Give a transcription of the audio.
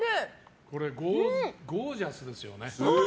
これ、ゴージャスですよね。